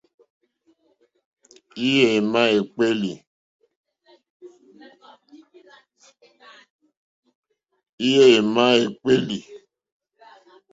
Êyé émá ékpélí.